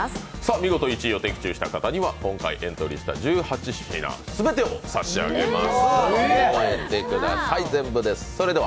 見事１位を的中した方には今回エントリーした１８品すべてを差し上げます。